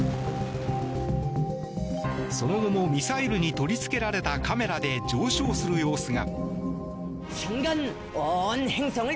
その後もミサイルに取りつけられたカメラで上昇する様子が。